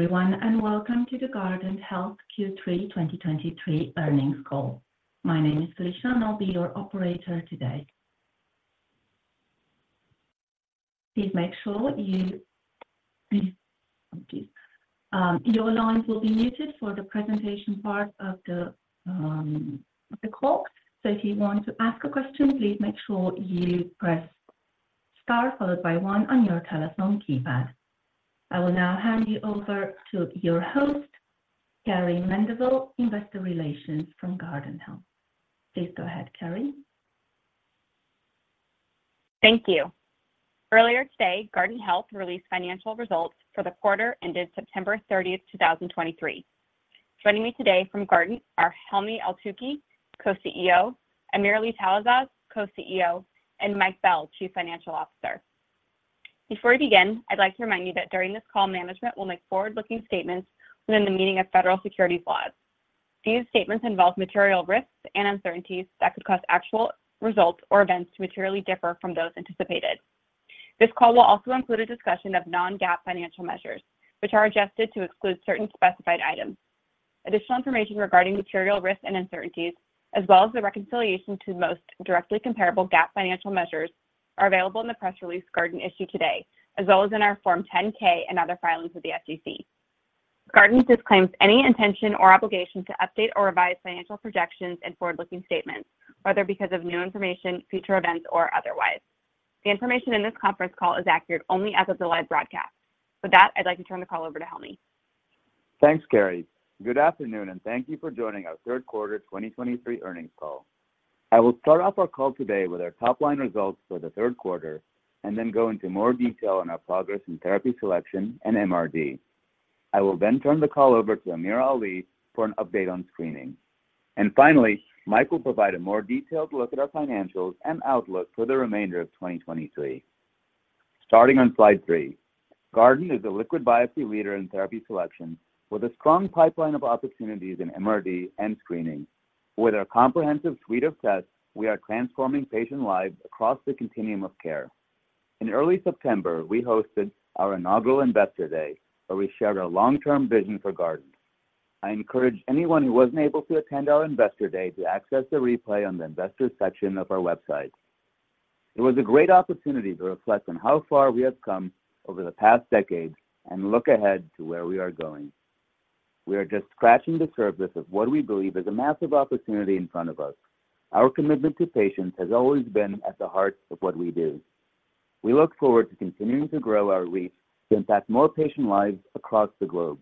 Hello, everyone, and welcome to the Guardant Health Q3 2023 earnings call. My name is Trisha, and I'll be your operator today. Please make sure you, okay, your lines will be muted for the presentation part of the call. So if you want to ask a question, please make sure you Press Star followed by one on your telephone keypad. I will now hand you over to your host, Carrie Mendivil, Investor Relations from Guardant Health. Please go ahead, Carrie. Thank you. Earlier today, Guardant Health released financial results for the quarter ended September 30, 2023. Joining me today from Guardant are Helmy Eltoukhy, Co-CEO, AmirAli Talasaz, Co-CEO, and Mike Bell, Chief Financial Officer. Before we begin, I'd like to remind you that during this call, management will make forward-looking statements within the meaning of federal securities laws. These statements involve material risks and uncertainties that could cause actual results or events to materially differ from those anticipated. This call will also include a discussion of non-GAAP financial measures, which are adjusted to exclude certain specified items. Additional information regarding material risks and uncertainties, as well as the reconciliation to the most directly comparable GAAP financial measures, are available in the press release Guardant issued today, as well as in our Form 10-K and other filings with the SEC. Guardant disclaims any intention or obligation to update or revise financial projections and forward-looking statements, whether because of new information, future events, or otherwise. The information in this conference call is accurate only as of the live broadcast. With that, I'd like to turn the call over to Helmy. Thanks, Carrie. Good afternoon, and thank you for joining our third quarter 2023 earnings call. I will start off our call today with our top-line results for the third quarter and then go into more detail on our progress in therapy selection and MRD. I will then turn the call over to AmirAli for an update on screening. And finally, Mike will provide a more detailed look at our financials and outlook for the remainder of 2023. Starting on slide three, Guardant is a liquid biopsy leader in therapy selection, with a strong pipeline of opportunities in MRD and screening. With our comprehensive suite of tests, we are transforming patient lives across the continuum of care. In early September, we hosted our inaugural Investor Day, where we shared our long-term vision for Guardant. I encourage anyone who wasn't able to attend our Investor Day to access the replay on the Investors section of our website. It was a great opportunity to reflect on how far we have come over the past decade and look ahead to where we are going. We are just scratching the surface of what we believe is a massive opportunity in front of us. Our commitment to patients has always been at the heart of what we do. We look forward to continuing to grow our reach to impact more patient lives across the globe.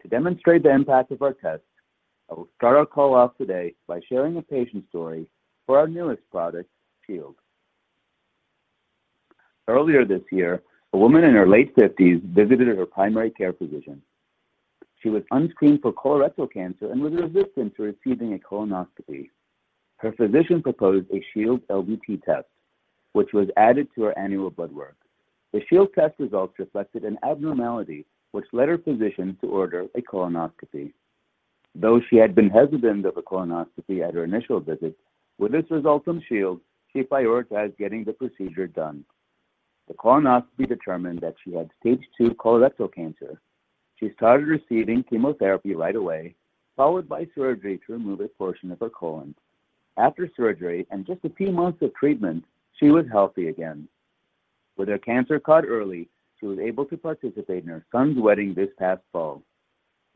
To demonstrate the impact of our tests, I will start our call off today by sharing a patient story for our newest product, Shield. Earlier this year, a woman in her late fifties visited her primary care physician. She was unscreened for colorectal cancer and was resistant to receiving a colonoscopy. Her physician proposed a Shield LDT test, which was added to her annual blood work. The Shield test results reflected an abnormality, which led her physician to order a colonoscopy. Though she had been hesitant of a colonoscopy at her initial visit, with this result from Shield, she prioritized getting the procedure done. The colonoscopy determined that she had stage two colorectal cancer. She started receiving chemotherapy right away, followed by surgery to remove a portion of her colon. After surgery and just a few months of treatment, she was healthy again. With her cancer caught early, she was able to participate in her son's wedding this past fall.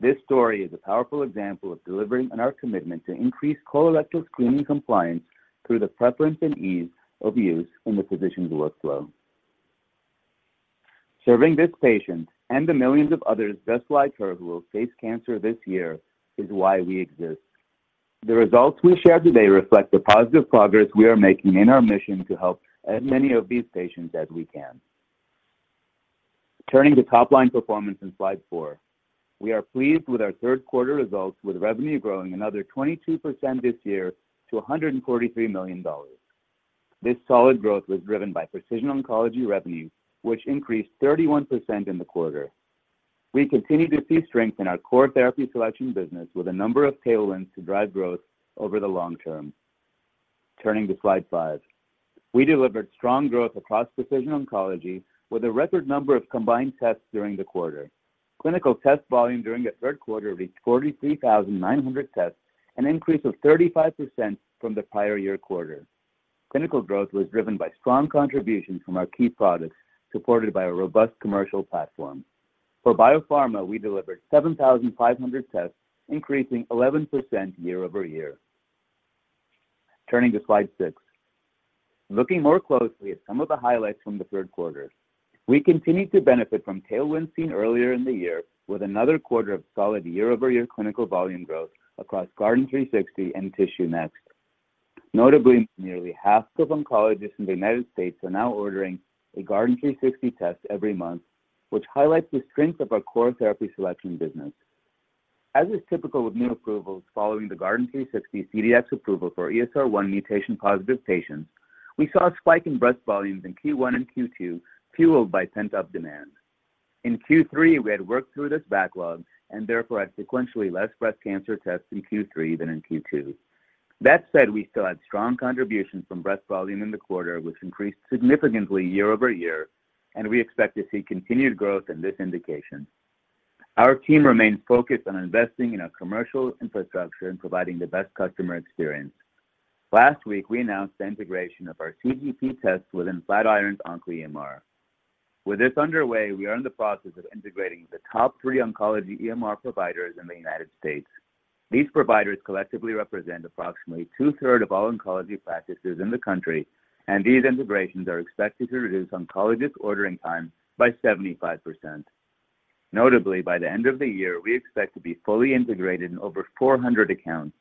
This story is a powerful example of delivering on our commitment to increase colorectal screening compliance through the preference and ease of use in the physician's workflow. Serving this patient and the millions of others just like her, who will face cancer this year, is why we exist. The results we share today reflect the positive progress we are making in our mission to help as many of these patients as we can. Turning to top-line performance in slide four, we are pleased with our third quarter results, with revenue growing another 22% this year to $143 million. This solid growth was driven by precision oncology revenues, which increased 31% in the quarter. We continue to see strength in our core therapy selection business, with a number of tailwinds to drive growth over the long term. Turning to slide five, we delivered strong growth across precision oncology, with a record number of combined tests during the quarter. Clinical test volume during the third quarter reached 43,900 tests, an increase of 35% from the prior year quarter. Clinical growth was driven by strong contributions from our key products, supported by a robust commercial platform. For biopharma, we delivered 7,500 tests, increasing 11% year-over-year. Turning to slide 6, looking more closely at some of the highlights from the third quarter, we continued to benefit from tailwinds seen earlier in the year, with another quarter of solid year-over-year clinical volume growth across Guardant360 and TissueNext. Notably, nearly half of oncologists in the United States are now ordering a Guardant360 test every month, which highlights the strength of our core therapy selection business. As is typical with new approvals, following the Guardant360 CDx approval for ESR1 mutation-positive patients, we saw a spike in breast volumes in Q1 and Q2, fueled by pent-up demand. In Q3, we had worked through this backlog and therefore had sequentially less breast cancer tests in Q3 than in Q2. That said, we still had strong contributions from breast volume in the quarter, which increased significantly year-over-year, and we expect to see continued growth in this indication. Our team remains focused on investing in our commercial infrastructure and providing the best customer experience. Last week, we announced the integration of our CDP test within Flatiron's Oncology EMR. With this underway, we are in the process of integrating the top three oncology EMR providers in the United States. These providers collectively represent approximately two-thirds of all oncology practices in the country, and these integrations are expected to reduce oncologists' ordering time by 75%. Notably, by the end of the year, we expect to be fully integrated in over 400 accounts.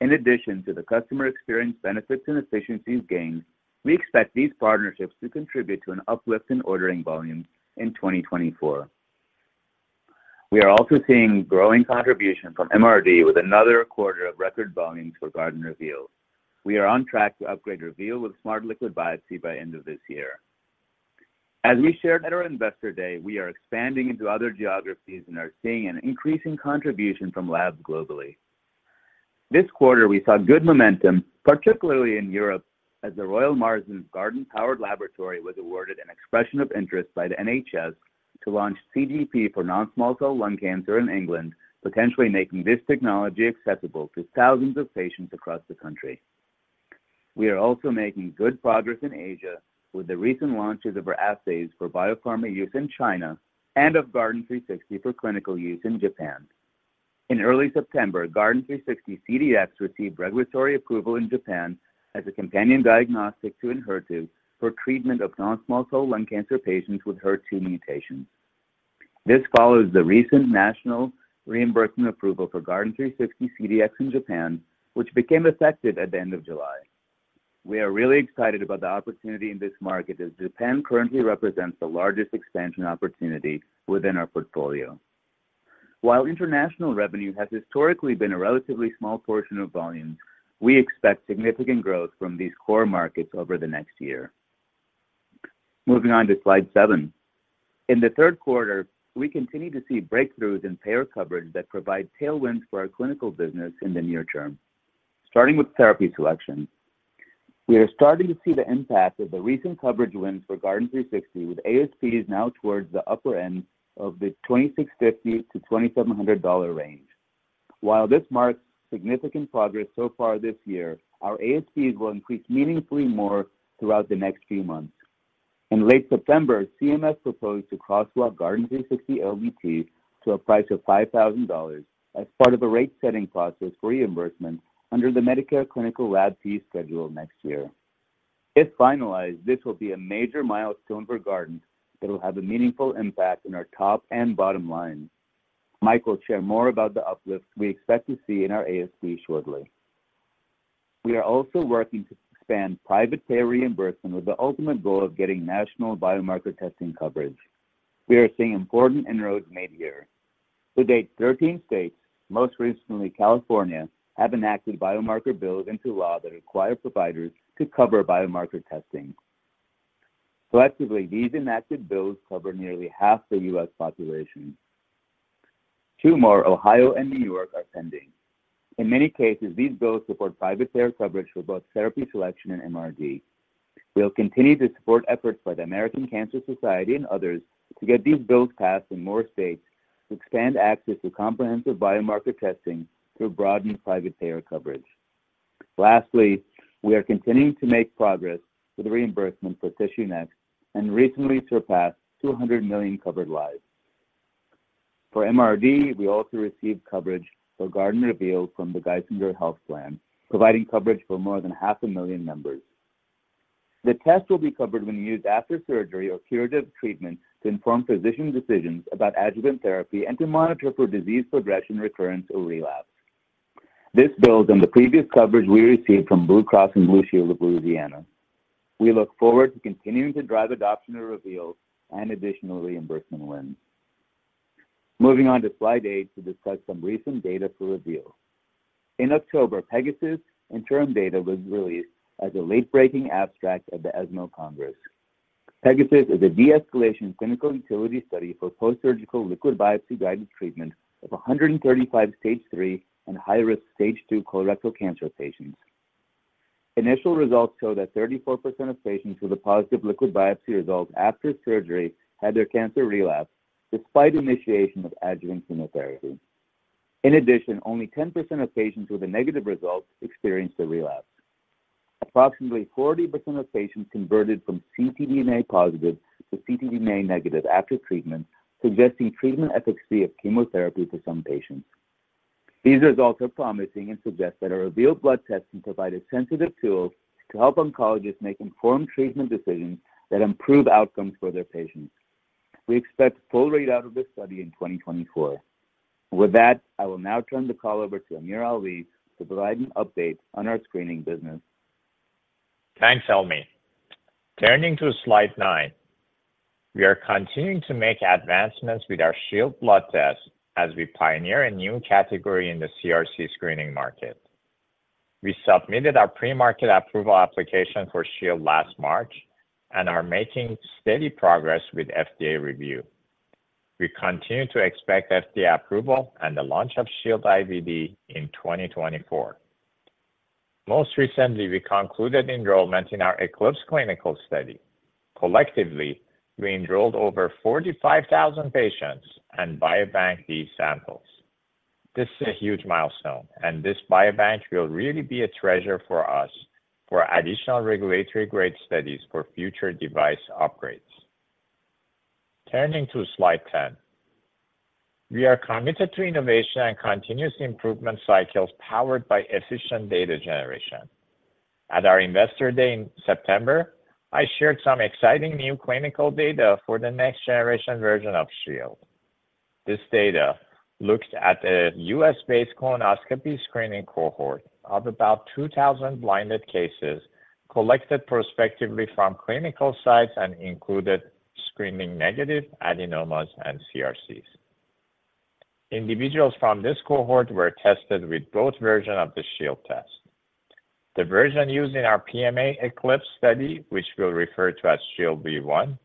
In addition to the customer experience benefits and efficiencies gained, we expect these partnerships to contribute to an uplift in ordering volume in 2024. We are also seeing growing contribution from MRD with another quarter of record volume for Guardant Reveal. We are on track to upgrade Reveal with Smart Liquid Biopsy by end of this year. As we shared at our Investor Day, we are expanding into other geographies and are seeing an increasing contribution from labs globally. This quarter, we saw good momentum, particularly in Europe, as the Royal Marsden's Guardant-powered laboratory was awarded an expression of interest by the NHS to launch CDP for non-small cell lung cancer in England, potentially making this technology accessible to thousands of patients across the country. We are also making good progress in Asia with the recent launches of our assays for biopharma use in China and of Guardant360 for clinical use in Japan. In early September, Guardant360 CDx received regulatory approval in Japan as a companion diagnostic to Enhertu for treatment of non-small cell lung cancer patients with HER2 mutations. This follows the recent national reimbursement approval for Guardant360 CDx in Japan, which became effective at the end of July. We are really excited about the opportunity in this market, as Japan currently represents the largest expansion opportunity within our portfolio. While international revenue has historically been a relatively small portion of volume, we expect significant growth from these core markets over the next year. Moving on to slide seven. In the third quarter, we continued to see breakthroughs in payer coverage that provide tailwinds for our clinical business in the near term. Starting with therapy selection, we are starting to see the impact of the recent coverage wins for Guardant360, with ASPs now towards the upper end of the $2,650-$2,700 range. While this marks significant progress so far this year, our ASPs will increase meaningfully more throughout the next few months. In late September, CMS proposed to crosswalk Guardant360 LDT to a price of $5,000 as part of the rate-setting process for reimbursement under the Medicare Clinical Lab Fee Schedule next year. If finalized, this will be a major milestone for Guardant that will have a meaningful impact on our top and bottom line. Mike will share more about the uplift we expect to see in our ASP shortly. We are also working to expand private payer reimbursement, with the ultimate goal of getting national biomarker testing coverage. We are seeing important inroads made here. To date, 13 states, most recently California, have enacted biomarker bills into law that require providers to cover biomarker testing. Collectively, these enacted bills cover nearly half the U.S. population. two more, Ohio and New York, are pending. In many cases, these bills support private payer coverage for both therapy selection and MRD. We'll continue to support efforts by the American Cancer Society and others to get these bills passed in more states to expand access to comprehensive biomarker testing through broadened private payer coverage. Lastly, we are continuing to make progress with reimbursement for TissueNext and recently surpassed 200 million covered lives. For MRD, we also received coverage for Guardant Reveal from the Geisinger Health Plan, providing coverage for more than 500,000 members. The test will be covered when used after surgery or curative treatment to inform physician decisions about adjuvant therapy and to monitor for disease progression, recurrence, or relapse. This builds on the previous coverage we received from Blue Cross and Blue Shield of Louisiana. We look forward to continuing to drive adoption of Reveal and additional reimbursement wins. Moving on to slide 8 to discuss some recent data for Reveal. In October, PEGASUS interim data was released as a late-breaking abstract at the ESMO Congress. PEGASUS is a de-escalation clinical utility study for postsurgical liquid biopsy guidance treatment of 135 stage three and high-risk stage two colorectal cancer patients. Initial results show that 34% of patients with a positive liquid biopsy result after surgery had their cancer relapse, despite initiation of adjuvant chemotherapy. In addition, only 10% of patients with a negative result experienced a relapse. Approximately 40% of patients converted from ctDNA positive to ctDNA negative after treatment, suggesting treatment efficacy of chemotherapy for some patients. These results are promising and suggest that a Reveal blood test can provide a sensitive tool to help oncologists make informed treatment decisions that improve outcomes for their patients. We expect full read out of this study in 2024. With that, I will now turn the call over to AmirAli Talasaz to provide an update on our screening business. Thanks, Helmy. Turning to slide 9, we are continuing to make advancements with our Shield blood test as we pioneer a new category in the CRC screening market. We submitted our pre-market approval application for Shield last March and are making steady progress with FDA review. We continue to expect FDA approval and the launch of Shield IVD in 2024. Most recently, we concluded enrollment in our ECLIPSE clinical study. Collectively, we enrolled over 45,000 patients and biobank these samples. This is a huge milestone, and this biobank will really be a treasure for us for additional regulatory grade studies for future device upgrades. Turning to slide 10. We are committed to innovation and continuous improvement cycles powered by efficient data generation. At our Investor Day in September, I shared some exciting new clinical data for the next generation version of Shield. This data looks at a U.S. based colonoscopy screening cohort of about 2000 blinded cases collected prospectively from clinical sites and included screening negative adenomas and CRCs. Individuals from this cohort were tested with both version of the Shield test. The version used in our PMA ECLIPSE study, which we'll refer to as Shield V1,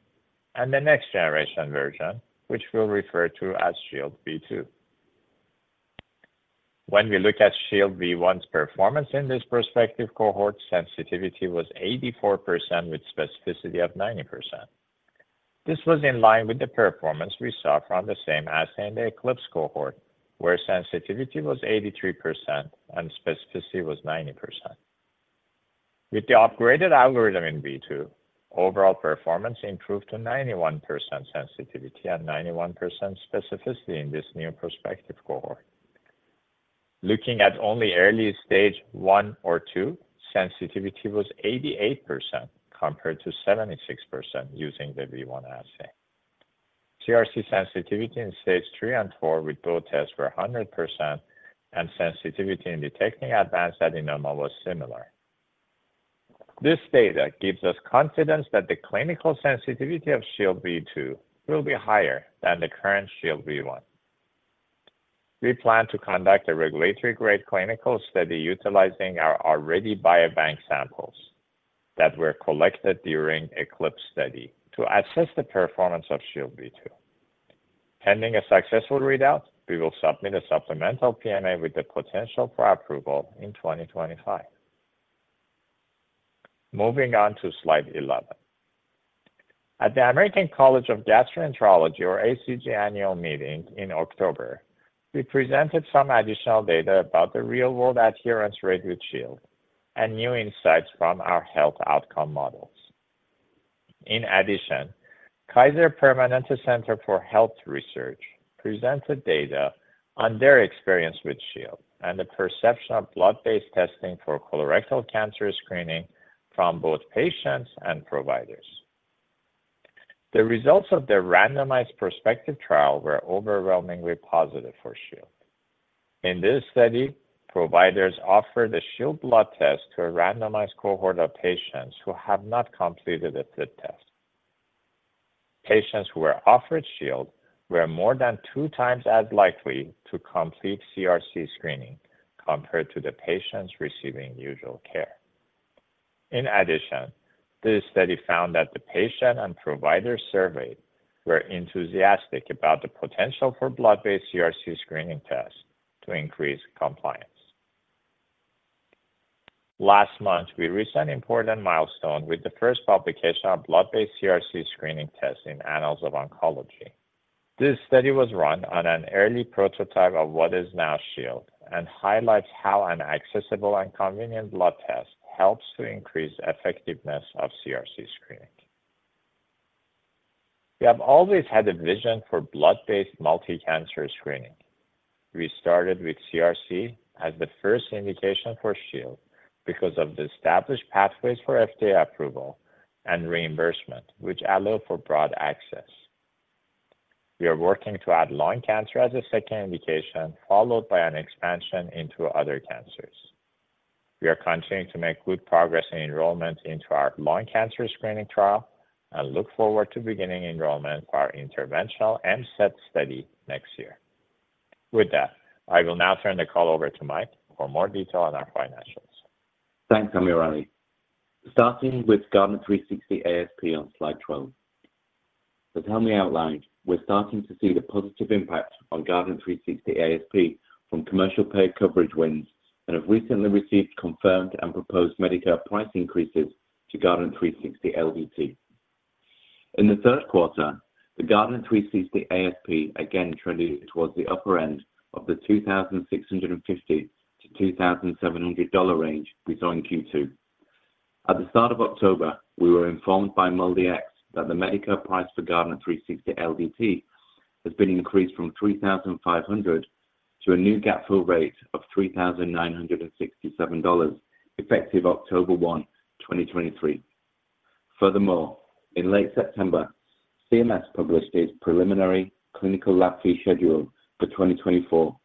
and the next generation version, which we'll refer to as Shield V2. When we look at Shield V1's performance in this prospective cohort, sensitivity was 84%, with specificity of 90%. This was in line with the performance we saw from the same assay in the ECLIPSE cohort, where sensitivity was 83% and specificity was 90%. With the upgraded algorithm in V2, overall performance improved to 91% sensitivity and 91% specificity in this new prospective cohort. Looking at only early stage one or two, sensitivity was 88%, compared to 76% using the V1 assay. CRC sensitivity in stages three and four with both tests were 100%, and sensitivity in detecting advanced adenoma was similar. This data gives us confidence that the clinical sensitivity of Shield V2 will be higher than the current Shield V1. We plan to conduct a regulatory-grade clinical study utilizing our already biobank samples that were collected during ECLIPSE study to assess the performance of Shield V2. Pending a successful readout, we will submit a supplemental PMA with the potential for approval in 2025. Moving on to slide 11. At the American College of Gastroenterology, or ACG annual meeting in October, we presented some additional data about the real-world adherence rate with Shield and new insights from our health outcome models. In addition, Kaiser Permanente Center for Health Research presented data on their experience with Shield and the perception of blood-based testing for colorectal cancer screening from both patients and providers. The results of the randomized prospective trial were overwhelmingly positive for Shield. In this study, providers offered a Shield blood test to a randomized cohort of patients who have not completed a FIT test. Patients who were offered Shield were more than 2x as likely to complete CRC screening compared to the patients receiving usual care. In addition, this study found that the patient and provider surveyed were enthusiastic about the potential for blood-based CRC screening tests to increase compliance. Last month, we reached an important milestone with the first publication of blood-based CRC screening tests in Annals of Oncology. This study was run on an early prototype of what is now Shield and highlights how an accessible and convenient blood test helps to increase effectiveness of CRC screening. We have always had a vision for blood-based multi-cancer screening. We started with CRC as the first indication for Shield because of the established pathways for FDA approval and reimbursement, which allow for broad access. We are working to add lung cancer as a second indication, followed by an expansion into other cancers. We are continuing to make good progress in enrollment into our lung cancer screening trial and look forward to beginning enrollment for our interventional and set study next year. With that, I will now turn the call over to Mike for more detail on our financials. Thanks, AmirAli. Starting with Guardant360 ASP on slide 12. As AmirAli outlined, we're starting to see the positive impact on Guardant360 ASP from commercial pay coverage wins and have recently received confirmed and proposed Medicare price increases to Guardant360 LDT. In the third quarter, the Guardant360 ASP again trended towards the upper end of the $2,650-$2,700 range we saw in Q2. At the start of October, we were informed by MolDX that the Medicare price for Guardant360 LDT has been increased from $3,500 to a new gap fill rate of $3,967, effective 1st October, 2023. Furthermore, in late September, CMS published its preliminary clinical lab fee schedule for 2024,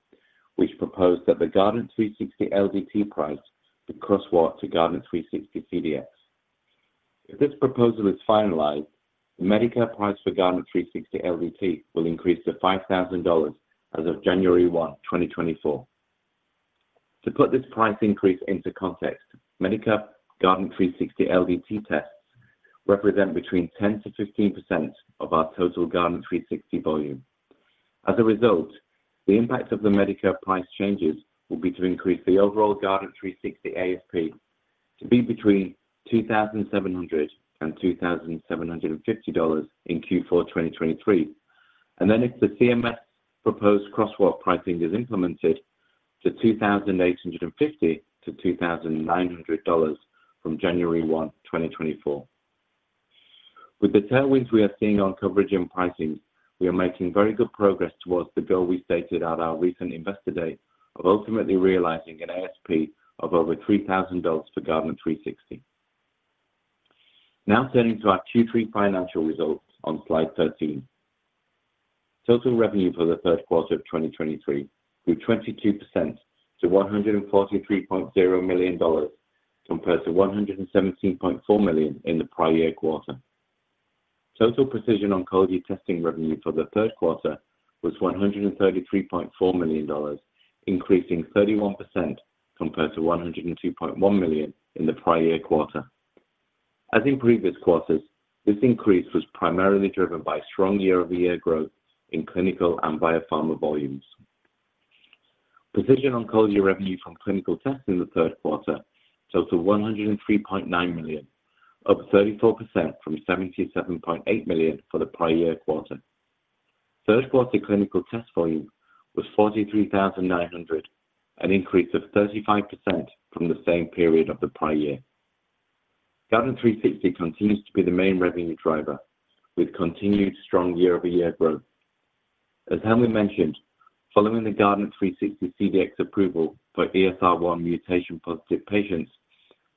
which proposed that the Guardant360 LDT price would crosswalk to Guardant360 CDx. If this proposal is finalized, the Medicare price for Guardant360 LDT will increase to $5,000 as of 1st January, 2024. To put this price increase into context, Medicare Guardant360 LDT tests represent between 10%-15% of our total Guardant360 volume. As a result, the impact of the Medicare price changes will be to increase the overall Guardant360 ASP to be between $2,700 and $2,750 in Q4 2023. And then if the CMS proposed crosswalk pricing is implemented to $2,850-$2,900 from 1st January, 2024. With the tailwinds we are seeing on coverage and pricing, we are making very good progress towards the goal we stated at our recent investor day of ultimately realizing an ASP of over $3,000 for Guardant360. Now turning to our Q3 financial results on slide 13. Total revenue for the third quarter of 2023 grew 22% to $143.0 million, compared to $117.4 million in the prior year quarter. Total precision oncology testing revenue for the third quarter was $133.4 million, increasing 31% compared to $102.1 million in the prior year quarter. As in previous quarters, this increase was primarily driven by strong year-over-year growth in clinical and biopharma volumes. Precision oncology revenue from clinical tests in the third quarter totaled $103.9 million, up 34% from $77.8 million for the prior year quarter. Third quarter clinical test volume was 43,900, an increase of 35% from the same period of the prior year. Guardant360 continues to be the main revenue driver, with continued strong year-over-year growth. As Helmy mentioned, following the Guardant360 CDx approval for ESR1 mutation positive patients,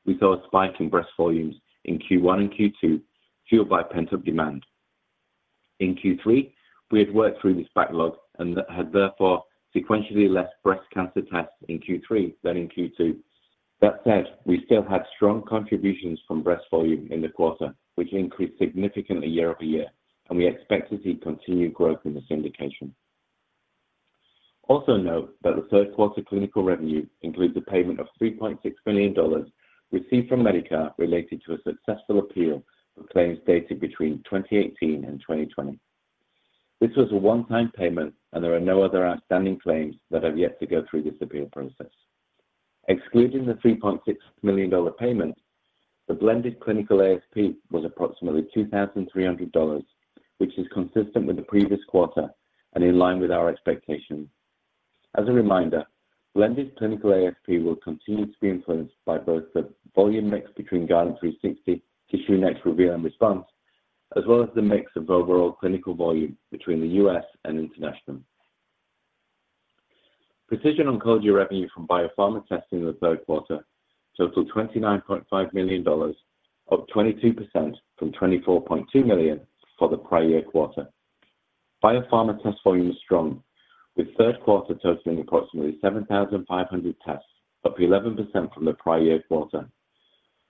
we saw a spike in breast volumes in Q1 and Q2, fueled by pent-up demand. In Q3, we had worked through this backlog and had therefore sequentially less breast cancer tests in Q3 than in Q2. That said, we still had strong contributions from breast volume in the quarter, which increased significantly year-over-year, and we expect to see continued growth in this indication. Also note that the third quarter clinical revenue includes a payment of $3.6 million received from Medicare related to a successful appeal for claims dated between 2018 and 2020. This was a one-time payment, and there are no other outstanding claims that have yet to go through this appeal process. Excluding the $3.6 million payment, the blended clinical ASP was approximately $2,300, which is consistent with the previous quarter and in line with our expectations. As a reminder, blended clinical ASP will continue to be influenced by both the volume mix between Guardant360 TissueNext, Reveal and Response, as well as the mix of overall clinical volume between the U.S. and international. Precision oncology revenue from biopharma testing in the third quarter totaled $29.5 million, up 22% from $24.2 million for the prior year quarter. Biopharma test volume is strong, with third quarter totaling approximately 7,500 tests, up 11% from the prior year quarter.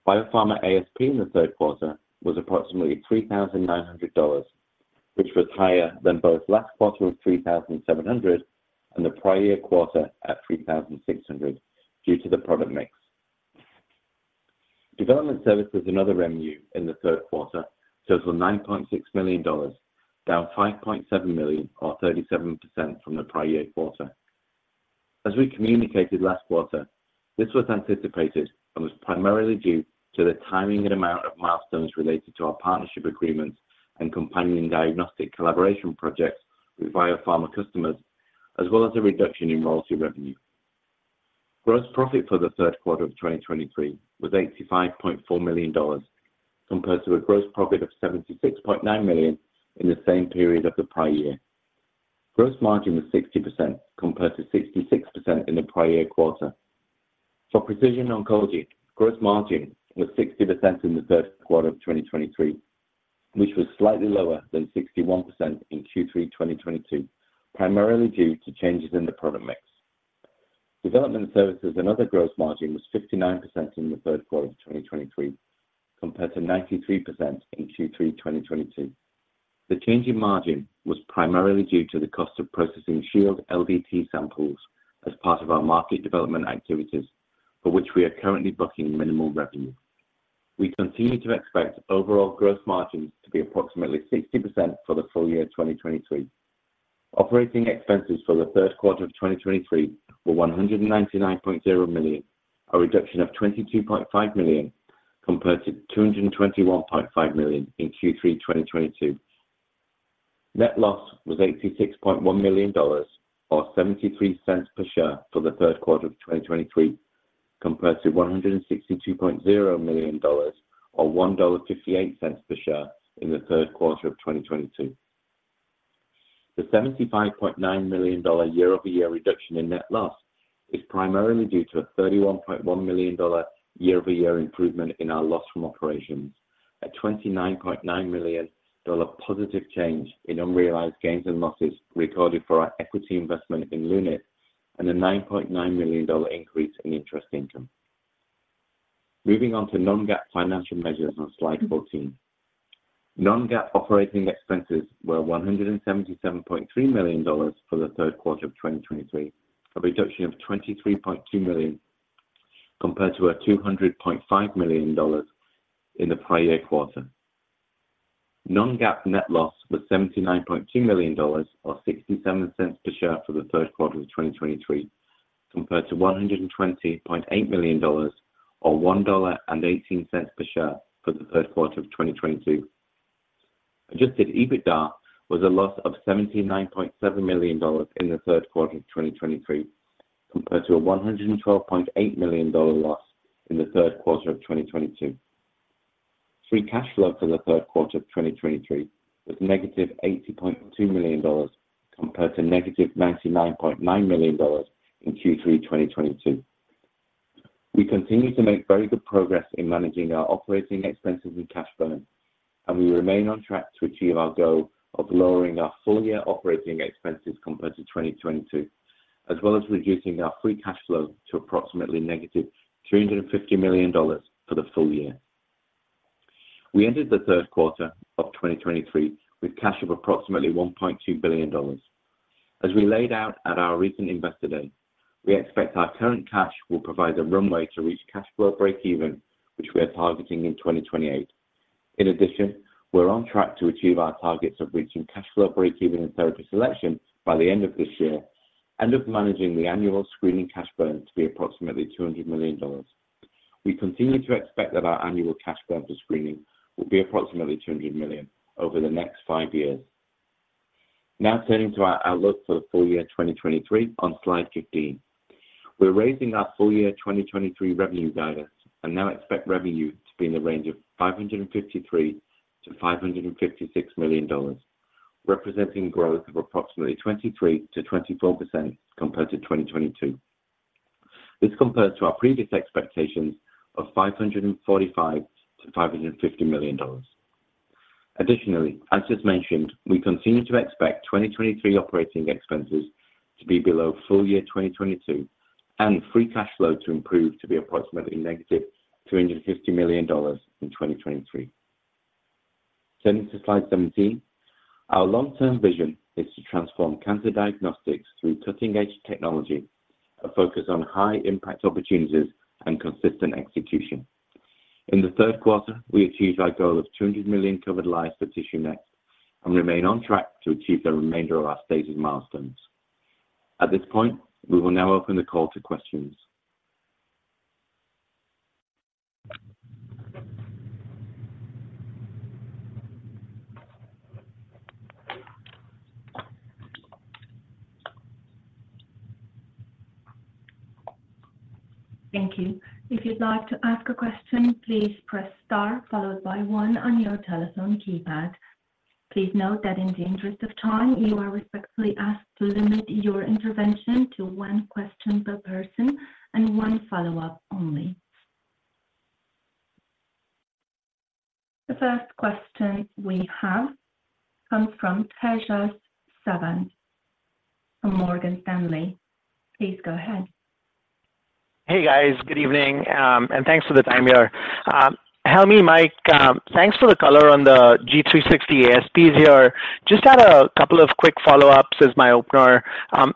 Biopharma ASP in the third quarter was approximately $3,900, which was higher than both last quarter of $3,700 and the prior year quarter at $3,600 due to the product mix. Development services and other revenue in the third quarter totaled $9.6 million, down $5.7 million or 37% from the prior year quarter. As we communicated last quarter, this was anticipated and was primarily due to the timing and amount of milestones related to our partnership agreements and companion diagnostic collaboration projects with biopharma customers, as well as a reduction in royalty revenue. Gross profit for the third quarter of 2023 was $85.4 million, compared to a gross profit of $76.9 million in the same period of the prior year. Gross margin was 60%, compared to 66% in the prior year quarter. For precision oncology, gross margin was 60% in the third quarter of 2023, which was slightly lower than 61% in Q3 2022, primarily due to changes in the product mix. Development services and other gross margin was 59% in the third quarter of 2023, compared to 93% in Q3 2022. The change in margin was primarily due to the cost of processing Shield LDT samples as part of our market development activities, for which we are currently booking minimal revenue. We continue to expect overall gross margins to be approximately 60% for the full year 2023. Operating expenses for the third quarter of 2023 were $199.0 million, a reduction of $22.5 million compared to $221.5 million in Q3 2022. Net loss was $86.1 million or $0.73 per share for the third quarter of 2023, compared to $162.0 million or $1.58 per share in the third quarter of 2022. The $75.9 million year-over-year reduction in net loss is primarily due to a $31.1 million year-over-year improvement in our loss from operations, a $29.9 million positive change in unrealized gains and losses recorded for our equity investment in Lunit, and a $9.9 million increase in interest income. Moving on to non-GAAP financial measures on slide 14. Non-GAAP operating expenses were $177.3 million for the third quarter of 2023, a reduction of $23.2 million compared to $200.5 million in the prior year quarter. Non-GAAP net loss was $79.2 million, or $0.67 per share for the third quarter of 2023, compared to $120.8 million, or $1.18 per share for the third quarter of 2022. Adjusted EBITDA was a loss of $79.7 million in the third quarter of 2023, compared to a $112.8 million loss in the third quarter of 2022. Free cash flow for the third quarter of 2023 was negative $80.2 million, compared to negative $99.9 million in Q3 2022. We continue to make very good progress in managing our operating expenses and cash burn, and we remain on track to achieve our goal of lowering our full-year operating expenses compared to 2022, as well as reducing our free cash flow to approximately -$350 million for the full year. We ended the third quarter of 2023 with cash of approximately $1.2 billion. As we laid out at our recent Investor Day, we expect our current cash will provide the runway to reach cash flow breakeven, which we are targeting in 2028. In addition, we're on track to achieve our targets of reaching cash flow breakeven in therapy selection by the end of this year, and of managing the annual screening cash burn to be approximately $200 million. We continue to expect that our annual cash burn for screening will be approximately $200 million over the next five years. Now, turning to our outlook for the full year 2023 on slide 15. We're raising our full year 2023 revenue guidance, and now expect revenue to be in the range of $553 million-$556 million, representing growth of approximately 23%-24% compared to 2022. This compares to our previous expectations of $545 million-$550 million. Additionally, as just mentioned, we continue to expect 2023 operating expenses to be below full year 2022, and free cash flow to improve to be approximately -$250 million in 2023. Turning to slide 17. Our long-term vision is to transform cancer diagnostics through cutting-edge technology, a focus on high-impact opportunities, and consistent execution. In the third quarter, we achieved our goal of 200 million covered lives for TissueNext, and remain on track to achieve the remainder of our stated milestones. At this point, we will now open the call to questions. Thank you. If you'd like to ask a question, please press star, followed by one on your telephone keypad. Please note that in the interest of time, you are respectfully asked to limit your intervention to one question per person and one follow-up only. The first question we have comes from Tejas Savant from Morgan Stanley. Please go ahead. Hey, guys. Good evening, and thanks for the time here. Helmy, Mike, thanks for the color on the Guardant360 ASPs here. Just had a couple of quick follow-ups as my opener.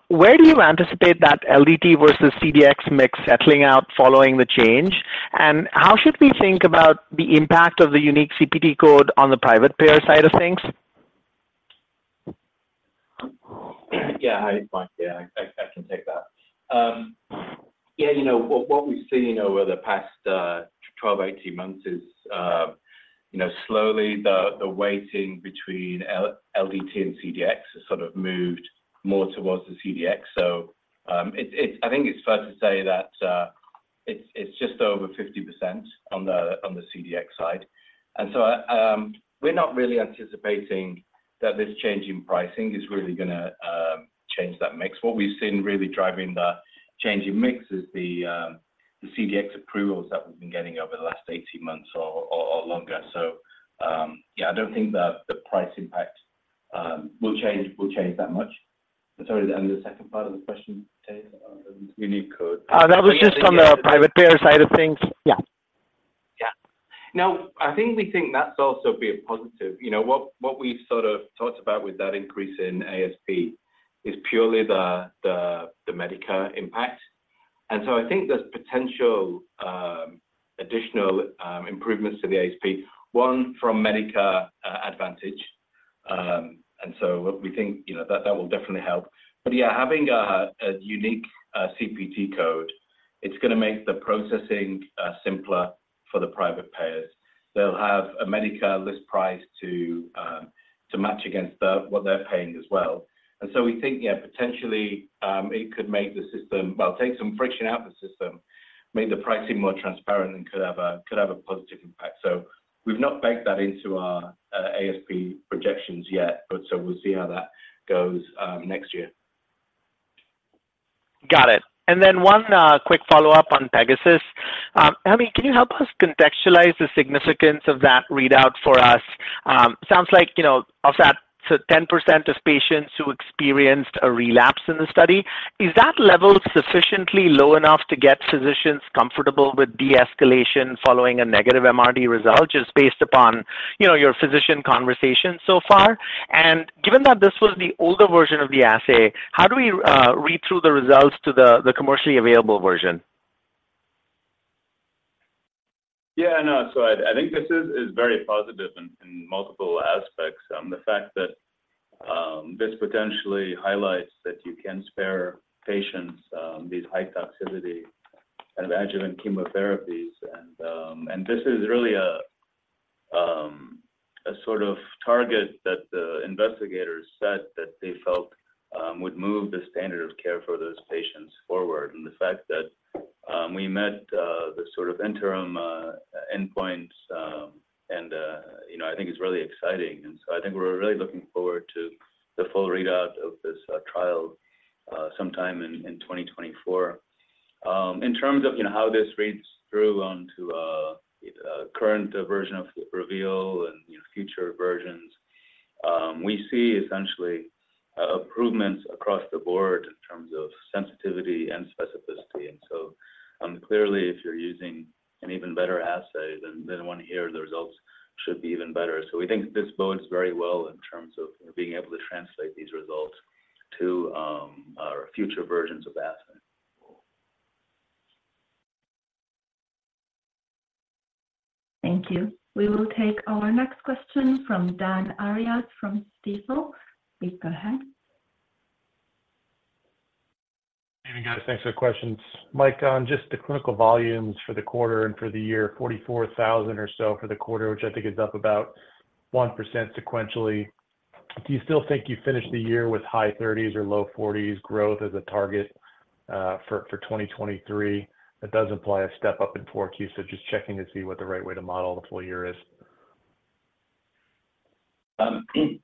Where do you anticipate that LDT versus CDx mix settling out following the change? And how should we think about the impact of the unique CPT code on the private payer side of things? Yeah, hi, Mike. Yeah, I can take that. Yeah, you know, what we've seen over the past 12, 18 months is, you know, slowly the weighting between LDT and CDx has sort of moved more towards the CDx. So, it's-- I think it's fair to say that, it's just over 50% on the CDx side. And so, we're not really anticipating that this change in pricing is really gonna change that mix. What we've seen really driving the change in mix is the CDx approvals that we've been getting over the last 18 months or longer. So, yeah, I don't think that the price impact will change that much. Sorry, and the second part of the question, Tejas, on the unique code? That was just on the private payer side of things. Yeah. Yeah. Now, I think we think that's also be a positive. You know, what we've sort of talked about with that increase in ASP is purely the Medicare impact. And so I think there's potential, additional improvements to the ASP, one from Medicare Advantage. And so we think, you know, that will definitely help. But, yeah, having a unique CPT code, it's gonna make the processing simpler for the private payers. They'll have a Medicare list price to match against what they're paying as well. And so we think, yeah, potentially, it could make the system... Well, take some friction out of the system, make the pricing more transparent, and could have a positive impact. So we've not baked that into our ASP projections yet, but so we'll see how that goes, next year. Got it. And then one quick follow-up on Pegasus. Helmy, can you help us contextualize the significance of that readout for us? Sounds like, you know, of that, so 10% of patients who experienced a relapse in the study, is that level sufficiently low enough to get physicians comfortable with de-escalation following a negative MRD result, just based upon, you know, your physician conversation so far? And given that this was the older version of the assay, how do we read through the results to the commercially available version? Yeah, no. So I think this is very positive in multiple aspects. The fact that this potentially highlights that you can spare patients these high toxicity and adjuvant chemotherapies. And this is really a sort of target that the investigators said that they felt would move the standard of care for those patients forward. And the fact that we met the sort of interim endpoints, and you know, I think is really exciting. And so I think we're really looking forward to the full readout of this trial sometime in 2024. In terms of, you know, how this reads through on to the current version of Reveal and, you know, future versions, we see essentially improvements across the board in terms of sensitivity and specificity. Clearly, if you're using an even better assay than one here, the results should be even better. We think this bodes very well in terms of being able to translate these results to our future versions of the assay. Thank you. We will take our next question from Dan Arias from Stifel. Please go ahead. Evening, guys. Thanks for the questions. Mike, on just the clinical volumes for the quarter and for the year, 44,000 or so for the quarter, which I think is up about 1% sequentially. Do you still think you finish the year with high 30s or low 40s growth as a target for 2023? That does imply a step up in 4Q. Just checking to see what the right way to model the full year is.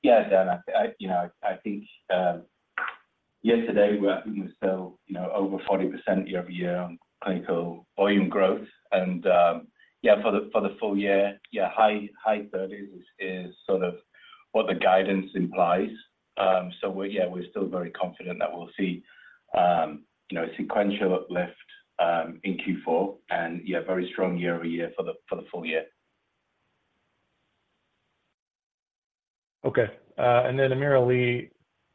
Yeah, Dan, you know, I think yesterday we were, I think, we saw, you know, over 40% year-over-year on clinical volume growth. And, yeah, for the full year, yeah, high 30s is sort of what the guidance implies. So we're, yeah, we're still very confident that we'll see, you know, sequential uplift in Q4, and yeah, very strong year-over-year for the full year. Okay. And then AmirAli,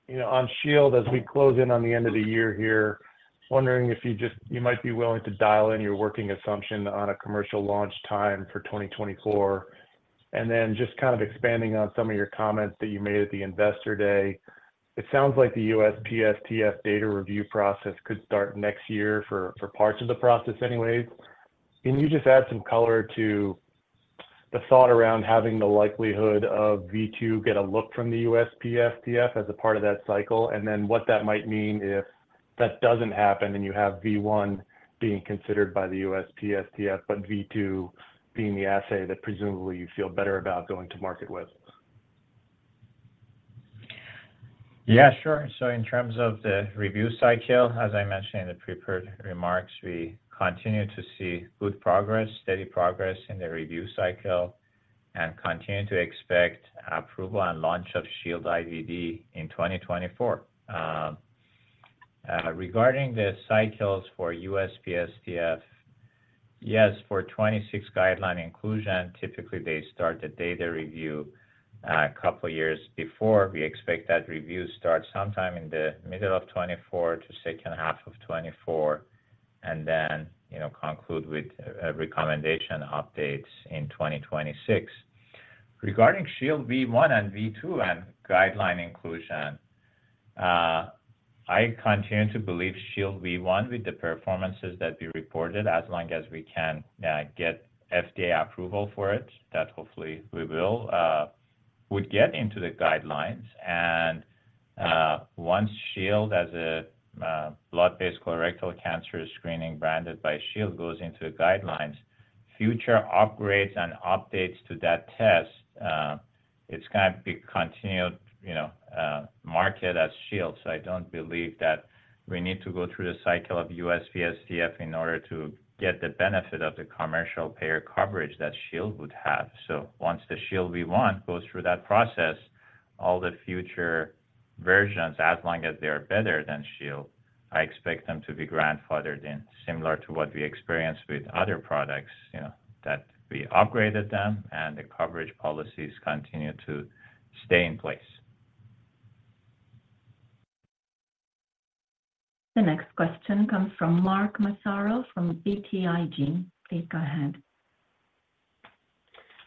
you know, on Shield, as we close in on the end of the year here, wondering if you just-- you might be willing to dial in your working assumption on a commercial launch time for 2024. And then just kind of expanding on some of your comments that you made at the Investor Day. It sounds like the USPSTF data review process could start next year for, for parts of the process anyways. Can you just add some color to the thought around having the likelihood of V2 get a look from the USPSTF as a part of that cycle, and then what that might mean if that doesn't happen, and you have V1 being considered by the USPSTF, but V2 being the assay that presumably you feel better about going to market with? Yeah, sure. So in terms of the review cycle, as I mentioned in the prepared remarks, we continue to see good progress, steady progress in the review cycle, and continue to expect approval and launch of Shield IVD in 2024. Regarding the cycles for USPSTF, yes, for 2026 guideline inclusion, typically they start the data review, a couple of years before. We expect that review start sometime in the middle of 2024 to second half of 2024, and then, you know, conclude with, recommendation updates in 2026. Regarding Shield V1 and V2 and guideline inclusion, I continue to believe Shield V1, with the performances that we reported, as long as we can, get FDA approval for it, that hopefully we will, would get into the guidelines. Once Shield, as a blood-based colorectal cancer screening branded by Shield, goes into the guidelines, future upgrades and updates to that test, it's gonna be continued, you know, market as Shield. So I don't believe that we need to go through the cycle of USPSTF in order to get the benefit of the commercial payer coverage that Shield would have. So once the Shield V1 goes through that process, all the future versions, as long as they are better than Shield, I expect them to be grandfathered in, similar to what we experienced with other products, you know, that we upgraded them, and the coverage policies continue to stay in place. The next question comes from Mark Massaro from BTIG. Please go ahead.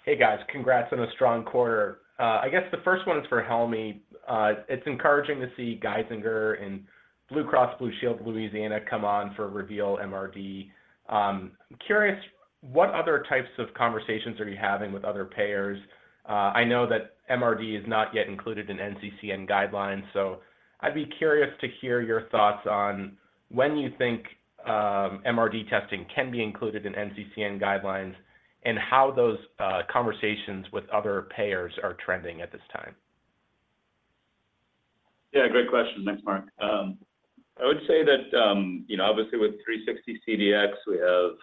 Hey, guys. Congrats on a strong quarter. I guess the first one is for Helmy. It's encouraging to see Geisinger and Blue Cross and Blue Shield of Louisiana come on for Reveal MRD. I'm curious, what other types of conversations are you having with other payers? I know that MRD is not yet included in NCCN guidelines, so I'd be curious to hear your thoughts on when you think MRD testing can be included in NCCN guidelines, and how those conversations with other payers are trending at this time? Yeah, great question. Thanks, Mark. I would say that, you know, obviously, with 360 CDx, we have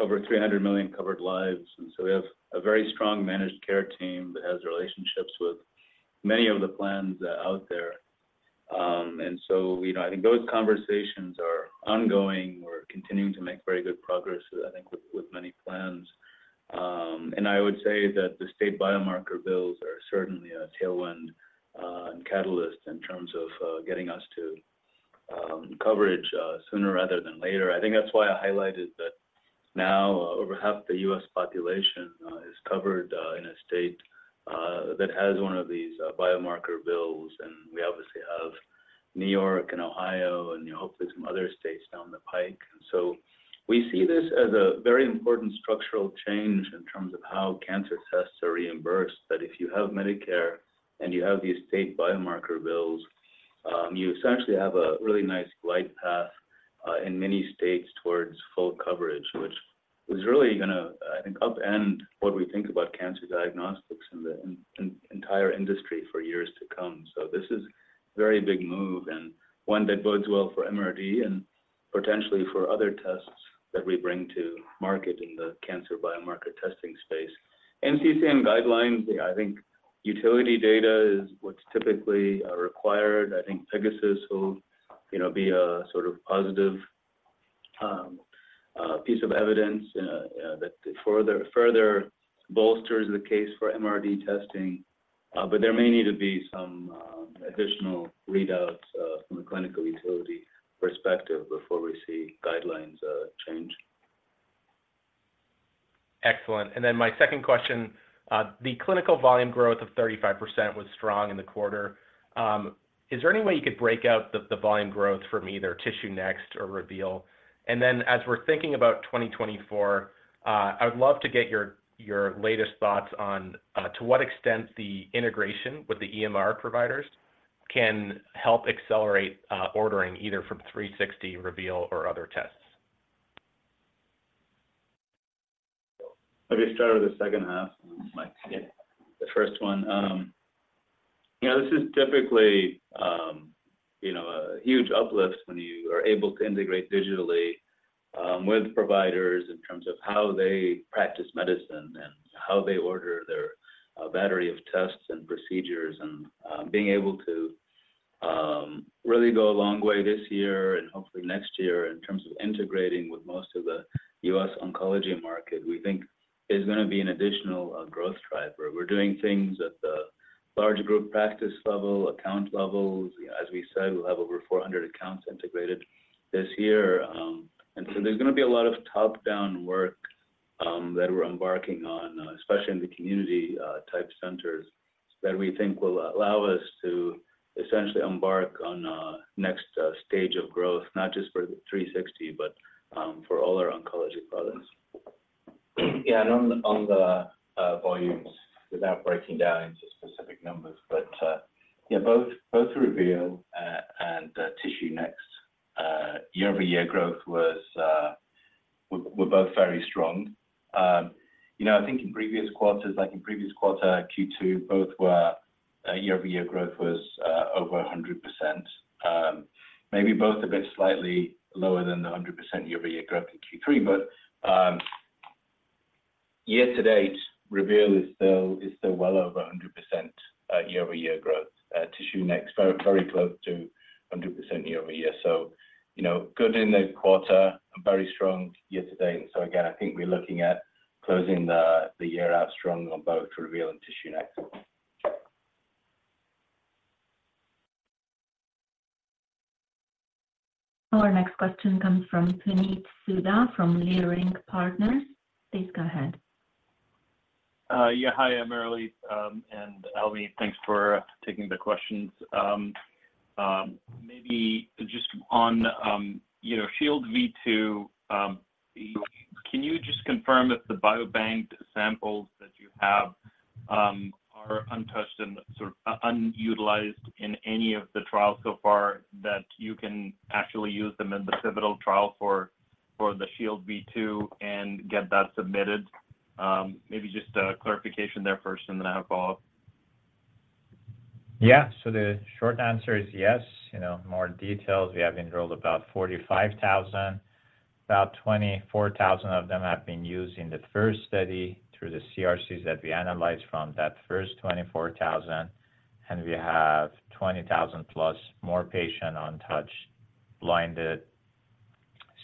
over 300 million covered lives, and so we have a very strong managed care team that has relationships with many of the plans out there. So, you know, I think those conversations are ongoing. We're continuing to make very good progress, I think, with many plans. I would say that the state biomarker bills are certainly a tailwind and catalyst in terms of getting us to coverage sooner rather than later. I think that's why I highlighted that now over half the U.S. population is covered in a state that has one of these biomarker bills, and we obviously have New York and Ohio and, you know, hopefully some other states down the pike. So we see this as a very important structural change in terms of how cancer tests are reimbursed, that if you have Medicare and you have these state biomarker bills, you essentially have a really nice glide path in many states towards full coverage, which is really gonna, I think, upend what we think about cancer diagnostics and the entire industry for years to come. So this is a very big move and one that bodes well for MRD and potentially for other tests that we bring to market in the cancer biomarker testing space. NCCN guidelines, I think utility data is what's typically required. I think Pegasus will, you know, be a sort of positive piece of evidence that further bolsters the case for MRD testing. But there may need to be some additional readouts from a clinical utility perspective before we see guidelines change. Excellent. And then my second question, the clinical volume growth of 35% was strong in the quarter. Is there any way you could break out the, the volume growth from either TissueNext or Reveal? And then, as we're thinking about 2024, I would love to get your, your latest thoughts on, to what extent the integration with the EMR providers can help accelerate, ordering either from 360 Reveal or other tests. Let me start with the second half, and then I might get the first one. You know, this is typically, you know, a huge uplift when you are able to integrate digitally, with providers in terms of how they practice medicine and how they order their battery of tests and procedures. Being able to really go a long way this year and hopefully next year in terms of integrating with most of the U.S. oncology market, we think is gonna be an additional growth driver. We're doing things at the large group practice level, account levels. As we said, we'll have over 400 accounts integrated this year. And so there's gonna be a lot of top-down work that we're embarking on, especially in the community type centers, that we think will allow us to essentially embark on a next stage of growth, not just for the 360, but for all our oncology products. Yeah, and on the, on the, volumes, without breaking down into specific numbers, but, yeah, both, both Reveal, and, TissueNext, year-over-year growth was... were, were both very strong. You know, I think in previous quarters, like in previous quarter, Q2, both were year-over-year growth was over 100%. Maybe both a bit slightly lower than the 100% year-over-year growth in Q3. But year to date, Reveal is still, is still well over 100% year-over-year growth. TissueNext, very, very close to 100% year-over-year. So, you know, good in the quarter and very strong year to date. And so again, I think we're looking at closing the year out strong on both Reveal and TissueNext. Our next question comes from Puneet Souda from Leerink Partners. Please go ahead. Yeah. Hi, Helmy and AmirAli. Thanks for taking the questions. Maybe just on, you know, Shield V2, can you just confirm that the biobank samples that you have are untouched and sort of unutilized in any of the trials so far, that you can actually use them in the pivotal trial for the Shield V2 and get that submitted? Maybe just a clarification there first, and then I have a follow-up. Yeah. So the short answer is yes. You know, more details, we have enrolled about 45,000. About 24,000 of them have been used in the first study through the CRCs that we analyzed from that first 24,000, and we have 20,000 plus more patient untouched, blinded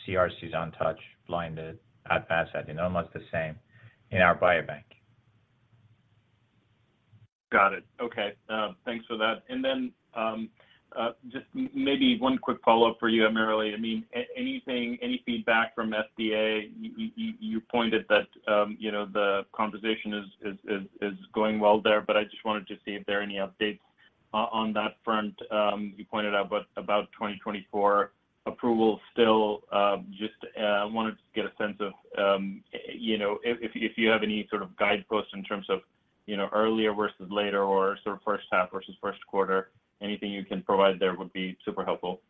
CRCs untouched, blinded, advanced adenomas, the same in our biobank. Got it. Okay, thanks for that. And then, just maybe one quick follow-up for you, Helmy. I mean, anything, any feedback from FDA? You pointed that, you know, the conversation is going well there, but I just wanted to see if there are any updates on that front. You pointed out about 2024 approval still. Just wanted to get a sense of, you know, if you have any sort of guideposts in terms of, you know, earlier versus later or sort of first half versus first quarter. Anything you can provide there would be super helpful....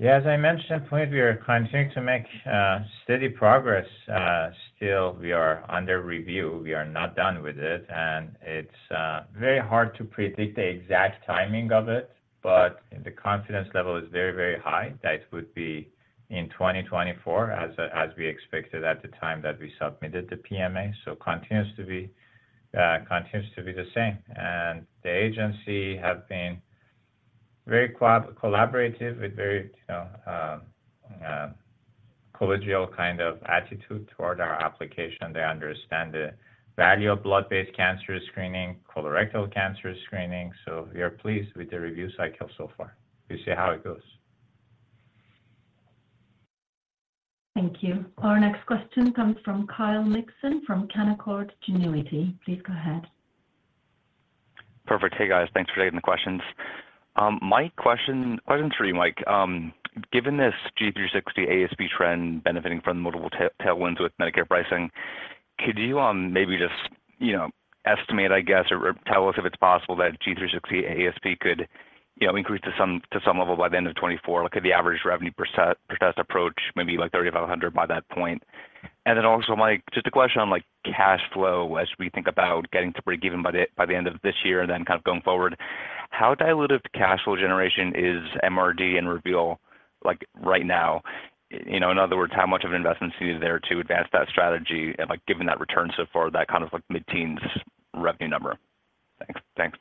Yeah, as I mentioned, we are continuing to make steady progress. Still, we are under review. We are not done with it, and it's very hard to predict the exact timing of it, but the confidence level is very, very high. That would be in 2024, as we expected at the time that we submitted the PMA. So continues to be the same. And the agency have been very collaborative, with very, you know, collegial kind of attitude toward our application. They understand the value of blood-based cancer screening, colorectal cancer screening, so we are pleased with the review cycle so far. We'll see how it goes. Thank you. Our next question comes from Kyle Mikson, from Canaccord Genuity. Please go ahead. Perfect. Hey, guys. Thanks for taking the questions. My question for you, Mike, given this G360 ASP trend benefiting from the multiple tailwinds with Medicare pricing, could you maybe just, you know, estimate, I guess, or tell us if it's possible that G360 ASP could, you know, increase to some level by the end of 2024? Like, could the average revenue per test approach maybe like $3,500 by that point? And then also, Mike, just a question on, like, cash flow as we think about getting to break even by the end of this year and then kind of going forward. How dilutive cash flow generation is MRD and Reveal, like, right now? You know, in other words, how much of an investment is there to advance that strategy? And, like, given that return so far, that kind of like mid-teens revenue number. Thanks. Thanks.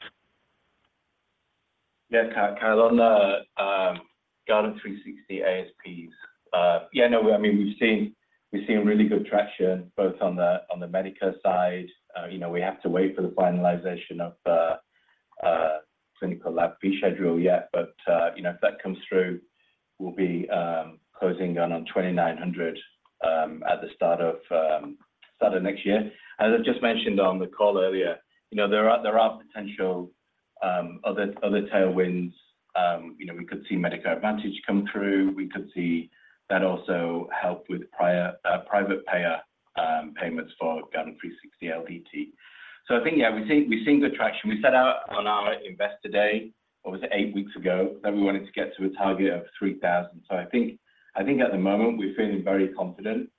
Yeah, Kyle, on the Guardant360 ASPs, yeah, no, I mean, we've seen, we've seen really good traction, both on the, on the Medicare side. You know, we have to wait for the finalization of the Clinical Lab Fee Schedule yet, but you know, if that comes through, we'll be closing on $2,900 at the start of next year. As I just mentioned on the call earlier, you know, there are, there are potential other tailwinds. You know, we could see Medicare Advantage come through. We could see that also help with prior private payer payments for Guardant360 LDT. So I think, yeah, we've seen, we've seen good traction. We set out on our Investor Day, what was it, eight weeks ago, that we wanted to get to a target of 3,000. So I think at the moment we're feeling very confident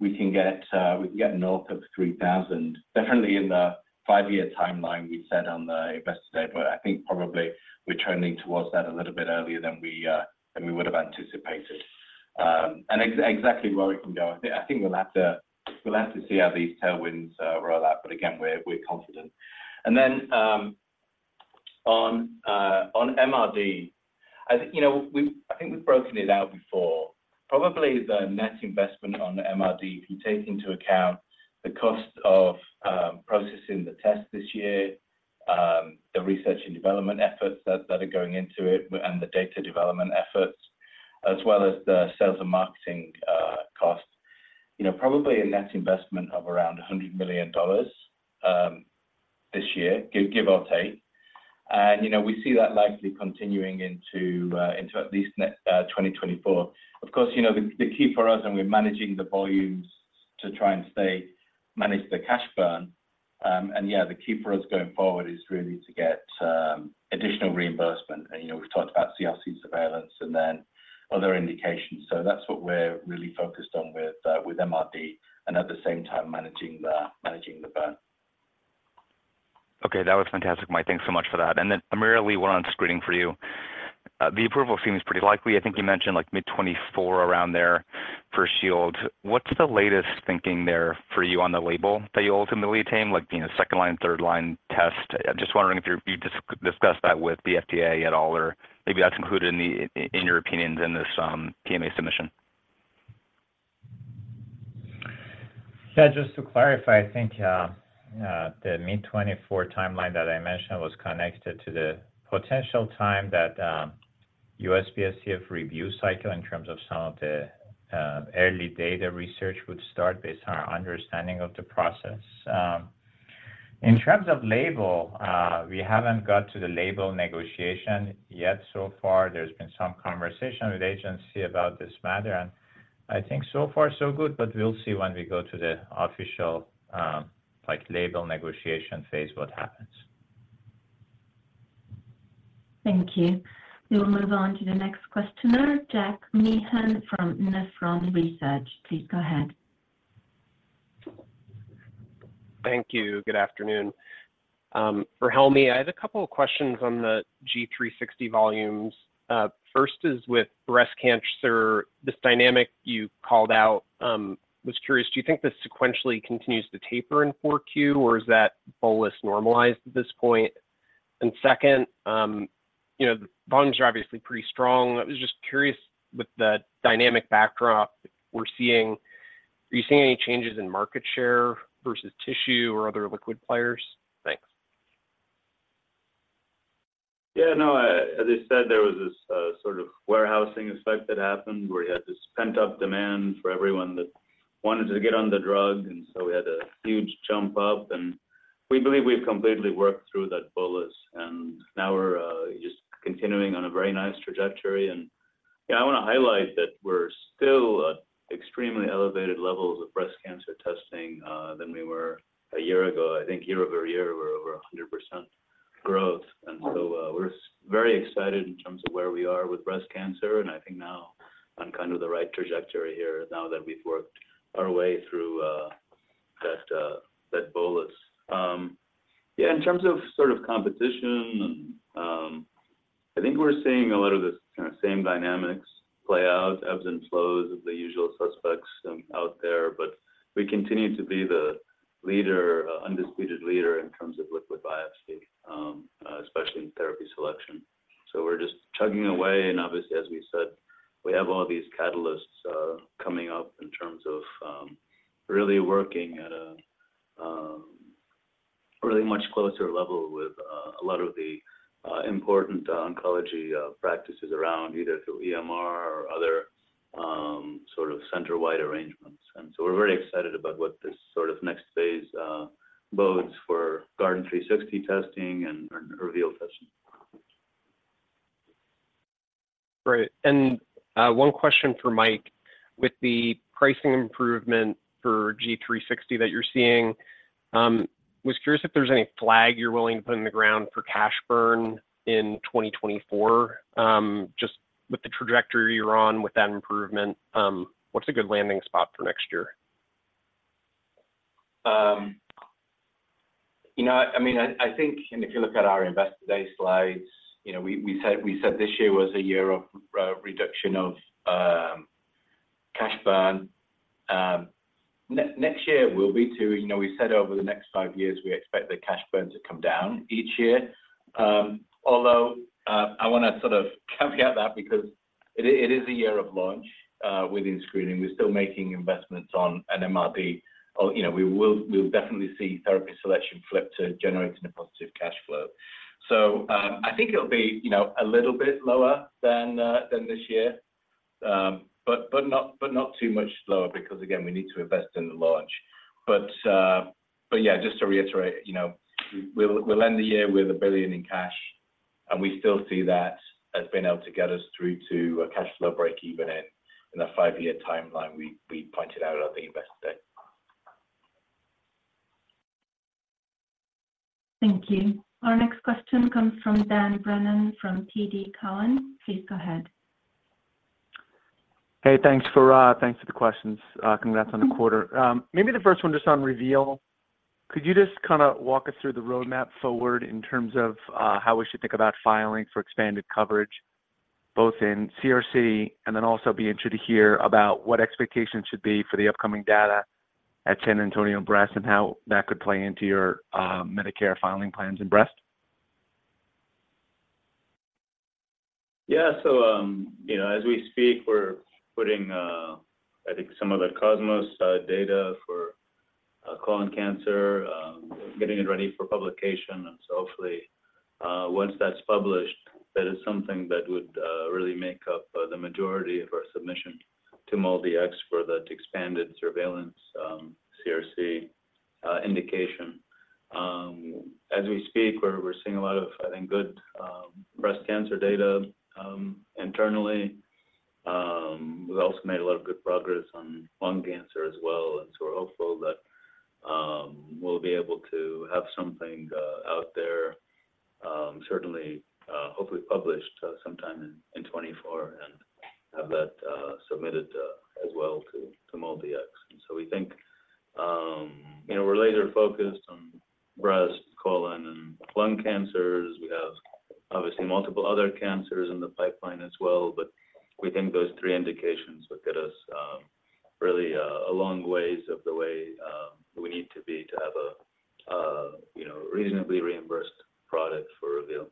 we can get, we can get north of 3,000, definitely in the five-year timeline we set on the Investor Day, but I think probably we're trending towards that a little bit earlier than we, than we would have anticipated. And exactly where we can go. I think we'll have to see how these tailwinds roll out, but again, we're confident. And then, on MRD, I think, you know, we've. I think we've broken it out before. Probably the net investment on the MRD, if you take into account the cost of processing the test this year, the research and development efforts that are going into it, and the data development efforts, as well as the sales and marketing costs, you know, probably a net investment of around $100 million this year, give or take. You know, we see that likely continuing into at least next 2024. Of course, you know, the key for us, and we're managing the volumes to try and manage the cash burn, and yeah, the key for us going forward is really to get additional reimbursement. You know, we've talked about CRC surveillance and then other indications. So that's what we're really focused on with MRD, and at the same time, managing the burn. Okay. That was fantastic, Mike. Thanks so much for that. And then, AmirAli, one on screening for you. The approval seems pretty likely. I think you mentioned, like, mid-2024, around there for Shield. What's the latest thinking there for you on the label that you ultimately attain, like, you know, second-line, third-line test? I'm just wondering if you discussed that with the FDA at all, or maybe that's included in the, in your opinions in this, PMA submission. Yeah, just to clarify, I think, the mid-2024 timeline that I mentioned was connected to the potential time that, USPSTF review cycle in terms of some of the, early data research would start based on our understanding of the process. In terms of label, we haven't got to the label negotiation yet. So far, there's been some conversation with agency about this matter, and I think so far, so good, but we'll see when we go to the official, like, label negotiation phase, what happens. Thank you. We will move on to the next questioner, Jack Meehan from Nephron Research. Please go ahead. Thank you. Good afternoon. For Helmy, I have a couple of questions on the Guardant360 volumes. First is with breast cancer, this dynamic you called out, was curious, do you think this sequentially continues to taper in Q4, or is that bolus normalized at this point? And second, you know, the volumes are obviously pretty strong. I was just curious, with the dynamic backdrop we're seeing, are you seeing any changes in market share versus tissue or other liquid players? Thanks. Yeah, no, as I said, there was this sort of warehousing effect that happened, where you had this pent-up demand for everyone that wanted to get on the drug, and so we had a huge jump up, and we believe we've completely worked through that bolus, and now we're just continuing on a very nice trajectory. And, yeah, I wanna highlight that we're still,... extremely elevated levels of breast cancer testing than we were a year ago. I think year-over-year, we're over 100% growth, and so, we're very excited in terms of where we are with breast cancer, and I think now on kind of the right trajectory here, now that we've worked our way through that bolus. Yeah, in terms of sort of competition and, I think we're seeing a lot of the kind of same dynamics play out, ebbs and flows of the usual suspects out there. But we continue to be the leader, undisputed leader in terms of liquid biopsy, especially in therapy selection. So we're just chugging away, and obviously, as we said, we have all these catalysts coming up in terms of really working at a really much closer level with a lot of the important oncology practices around, either through EMR or other sort of center-wide arrangements. And so we're very excited about what this sort of next phase bodes for Guardant360 testing and, and Reveal testing. Great. And, one question for Mike. With the pricing improvement for Guardant360 that you're seeing, was curious if there's any flag you're willing to put in the ground for cash burn in 2024? Just with the trajectory you're on with that improvement, what's a good landing spot for next year? You know, I mean, I think, and if you look at our Investor Day slides, you know, we said this year was a year of reduction of cash burn. Next year will be, too. You know, we said over the next 5 years, we expect the cash burn to come down each year. Although, I wanna sort of caveat that because it is a year of launch within screening. We're still making investments on an MRD, you know, we'll definitely see therapy selection flip to generating a positive cash flow. So, I think it'll be, you know, a little bit lower than this year. But not too much lower because, again, we need to invest in the launch. But yeah, just to reiterate, you know, we'll end the year with $1 billion in cash, and we still see that as being able to get us through to a cash flow breakeven in a five year timeline we pointed out at the Investor Day. Thank you. Our next question comes from Dan Brennan from TD Cowen. Please go ahead. Hey, thanks, Farag. Thanks for the questions. Congrats on the quarter. Maybe the first one just on Reveal. Could you just kinda walk us through the roadmap forward in terms of how we should think about filings for expanded coverage, both in CRC and then also be interested to hear about what expectations should be for the upcoming data at San Antonio Breast, and how that could play into your Medicare filing plans in breast? Yeah. So, you know, as we speak, we're putting, I think some of the COSMOS data for colon cancer getting it ready for publication. And so hopefully, once that's published, that is something that would really make up the majority of our submission to MolDX for that expanded surveillance, CRC indication. As we speak, we're seeing a lot of, I think, good breast cancer data internally. We've also made a lot of good progress on lung cancer as well, and so we're hopeful that we'll be able to have something out there certainly, hopefully published sometime in 2024 and have that submitted as well to MolDX. And so we think, you know, we're laser-focused on breast, colon, and lung cancers. We have, obviously, multiple other cancers in the pipeline as well, but we think those three indications will get us, really, a long ways of the way, we need to be to have a, you know, reasonably reimbursed product for Reveal.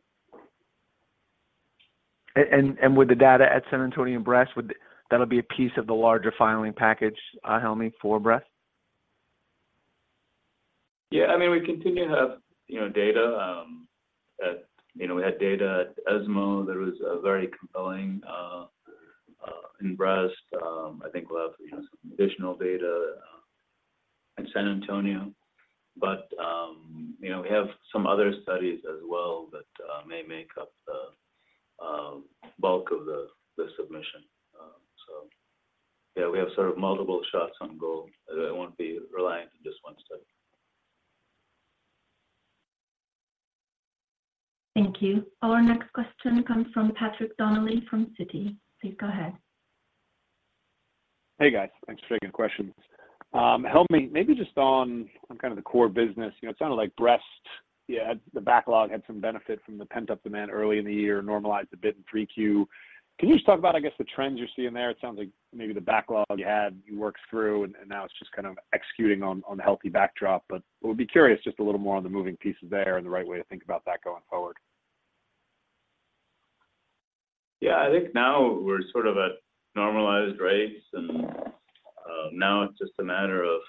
with the data at San Antonio Breast, would, that'll be a piece of the larger filing package, Helmy, for breast? Yeah. I mean, we continue to have, you know, data. You know, we had data at ESMO. There was a very compelling in breast. I think we'll have, you know, some additional data in San Antonio, but, you know, we have some other studies as well that may make up the bulk of the submission. So yeah, we have sort of multiple shots on goal. It won't be reliant on just one study. Thank you. Our next question comes from Patrick Donnelly from Citi. Please go ahead. Hey, guys. Thanks for taking the questions. Helmy, maybe just on, on kind of the core business. You know, it sounded like breast, yeah, had the backlog, had some benefit from the pent-up demand early in the year, normalized a bit in 3Q. Can you just talk about, I guess, the trends you're seeing there? It sounds like maybe the backlog you had, you worked through, and, and now it's just kind of executing on, on the healthy backdrop. But we'll be curious just a little more on the moving pieces there and the right way to think about that going forward. Yeah. I think now we're sort of at normalized rates, and, now it's just a matter of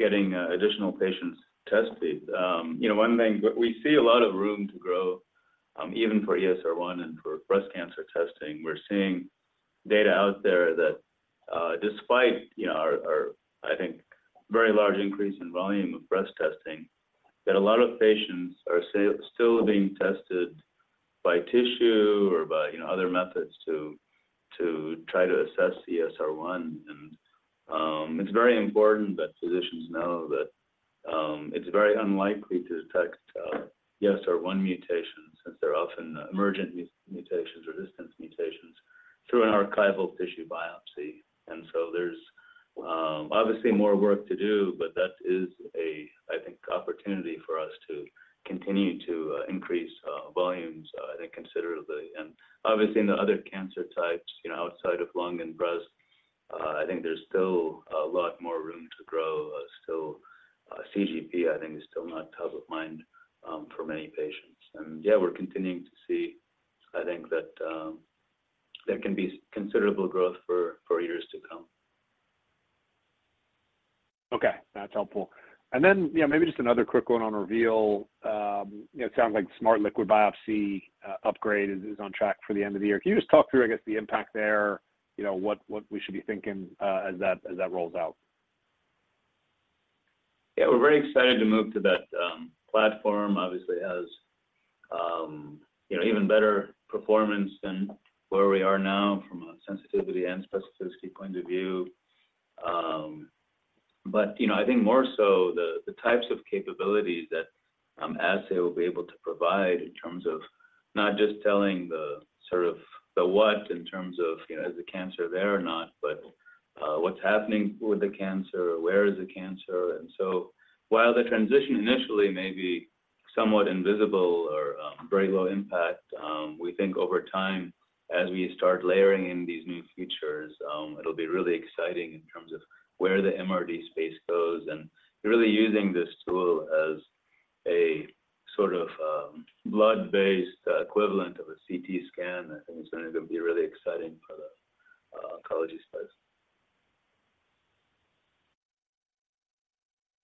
getting additional patients tested. You know, one thing, we, we see a lot of room to grow, even for ESR1 and for breast cancer testing. We're seeing data out there that, despite, you know, I think, very large increase in volume of breast testing, that a lot of patients are still being tested by tissue or by, you know, other methods to try to assess ESR1. And it's very important that physicians know that it's very unlikely to detect ESR1 mutations since they're often emergent mutations, resistance mutations, through an archival tissue biopsy. And so there's obviously more work to do, but that is a, I think, opportunity for us to continue to increase volumes, I think, considerably. And obviously, in the other cancer types, you know, outside of lung and breast, I think there's still a lot more room to grow. So, CGP, I think, is still not top of mind for many patients. Yeah, we're continuing to see, I think that, there can be considerable growth for years to come. Okay, that's helpful. And then, yeah, maybe just another quick one on Reveal. It sounds like Smart Liquid Biopsy upgrade is on track for the end of the year. Can you just talk through, I guess, the impact there, you know, what we should be thinking as that rolls out? Yeah, we're very excited to move to that platform, obviously has you know even better performance than where we are now from a sensitivity and specificity point of view. But you know I think more so the types of capabilities that Assay will be able to provide in terms of not just telling the sort of the what in terms of you know is the cancer there or not, but what's happening with the cancer, where is the cancer? And so while the transition initially may be somewhat invisible or very low impact, we think over time, as we start layering in these new features, it'll be really exciting in terms of where the MRD space goes, and really using this tool as a sort of blood-based equivalent of a CT scan. I think it's going to be really exciting for the oncology space.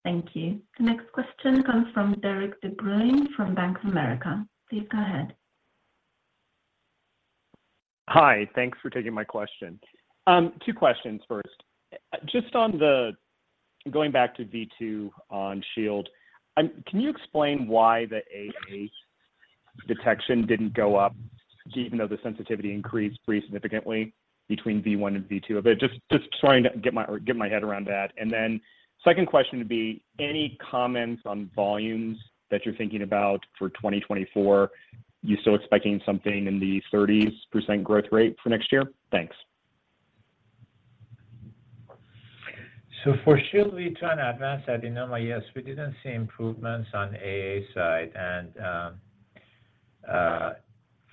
Thank you. The next question comes from Derik de Bruin from Bank of America. Please go ahead. Hi, thanks for taking my question. Two questions first. Just on the going back to V2 on Shield, can you explain why the AA detection didn't go up, even though the sensitivity increased pretty significantly between V1 and V2? But just, just trying to get my, get my head around that. And then second question would be, any comments on volumes that you're thinking about for 2024? You still expecting something in the 30s% growth rate for next year? Thanks. So for Shield, we try to advance adenoma, yes, we didn't see improvements on AA side, and,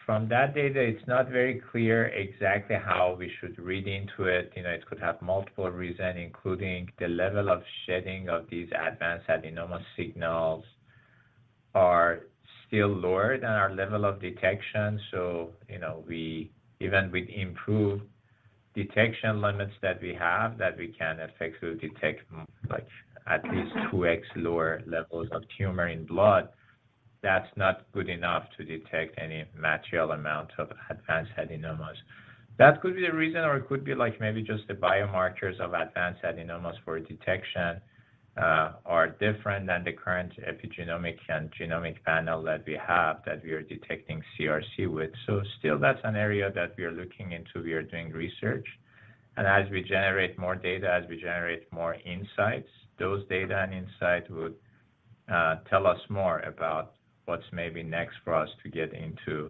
from that data, it's not very clear exactly how we should read into it. You know, it could have multiple reason, including the level of shedding of these advanced adenoma signals are still lower than our level of detection. So, you know, even with improved detection limits that we have, that we can effectively detect like at least 2x lower levels of tumor in blood, that's not good enough to detect any material amount of advanced adenomas. That could be the reason, or it could be like maybe just the biomarkers of advanced adenomas for detection, are different than the current epigenomic and genomic panel that we have, that we are detecting CRC with. So still, that's an area that we are looking into. We are doing research, and as we generate more data, as we generate more insights, those data and insights would tell us more about what's maybe next for us to get into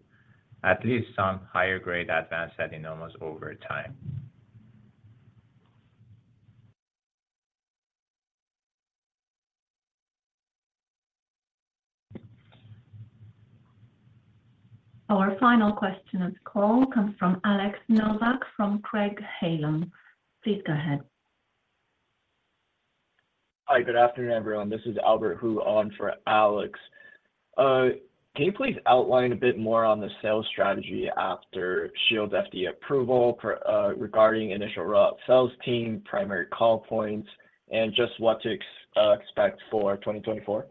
at least some higher grade advanced adenomas over time. Our final question comes from Alex Novak from Craig-Hallum. Please go ahead. Hi, good afternoon, everyone. This is Albert Hu, on for Alex. Can you please outline a bit more on the sales strategy after Shield's FDA approval, regarding initial route sales team, primary call points, and just what to expect for 2024?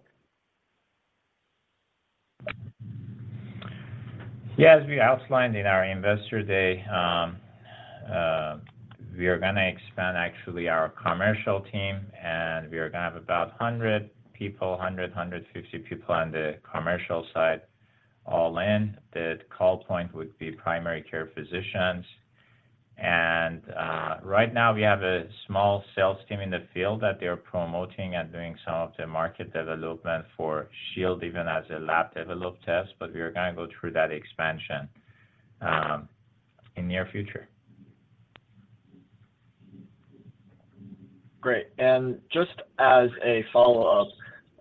Yeah, as we outlined in our Investor Day, we are gonna expand actually our commercial team, and we are gonna have about 100-150 people on the commercial side all in. The call point would be primary care physicians, and right now we have a small sales team in the field that they are promoting and doing some of the market development for Shield, even as a laboratory developed test, but we are gonna go through that expansion in the near future. Great. Just as a follow-up,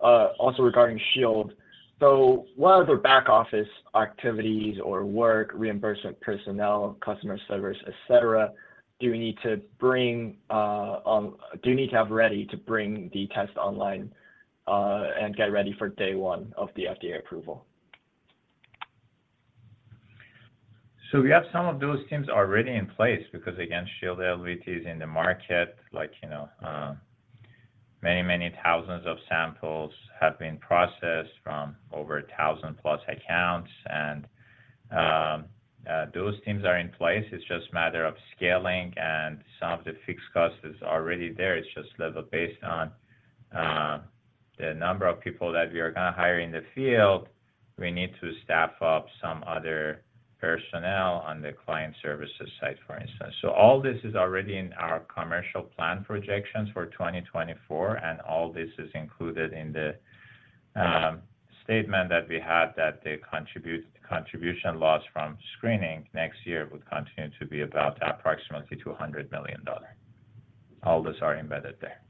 also regarding Shield. What other back-office activities or work, reimbursement, personnel, customer service, et cetera, do you need to have ready to bring the test online, and get ready for day one of the FDA approval? So we have some of those teams already in place because, again, Shield LDT is in the market. Like, you know, many, many thousands of samples have been processed from over 1,000+ accounts, and those teams are in place. It's just a matter of scaling, and some of the fixed cost is already there. It's just level based on the number of people that we are gonna hire in the field. We need to staff up some other personnel on the client services side, for instance. So all this is already in our commercial plan projections for 2024, and all this is included in the statement that we had that the contribution loss from screening next year would continue to be about approximately $200 million. All those are embedded there.